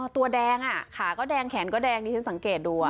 ตัวแดงขาก็แดงแขนก็แดงนี่ฉันสังเกตดู